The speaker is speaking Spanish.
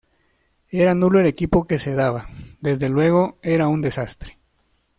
Era nulo el equipo que se daba; desde luego era un desastre.